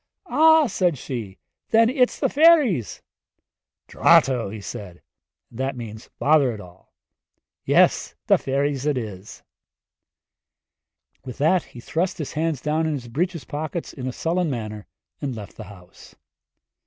'Ah,' said she, 'then it's the fairies!' 'Drato!' said he and that means 'Bother it all' 'yes the fairies it is.' With that he thrust his hands down in his breeches pockets in a sullen manner and left the house.